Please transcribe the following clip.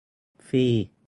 ฟรี !